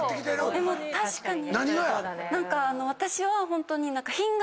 でも確かに何か私はホントに。